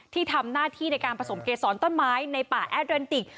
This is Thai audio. ที่ทำหน้าที่ในการผสมเกษรต้นไม้ในป่าแอดเรนติก